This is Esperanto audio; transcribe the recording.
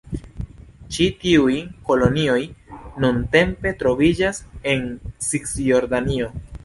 Ĉi tiuj kolonioj nuntempe troviĝas en Cisjordanio.